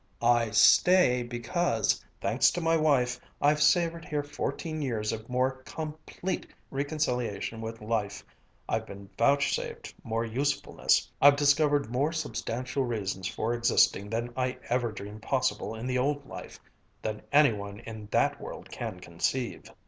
"I stay because, thanks to my wife, I've savored here fourteen years of more complete reconciliation with life I've been vouchsafed more usefulness I've discovered more substantial reasons for existing than I ever dreamed possible in the old life than any one in that world can conceive!"